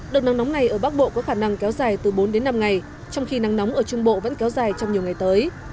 đợt nắng nóng này ở bắc bộ có khả năng kéo dài từ bốn đến năm ngày trong khi nắng nóng ở trung bộ vẫn kéo dài trong nhiều ngày tới